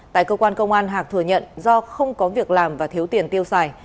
tại cơ quan công an hạc thừa nhận do không có việc làm và thiếu tiền tiêu xài